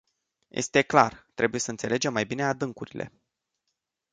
Este clar trebuie să înțelegem mai bine adâncurile.